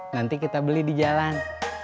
nanti kita beli di jalan